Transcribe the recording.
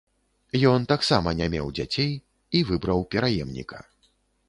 Ён таксама не меў дзяцей і выбраў пераемніка.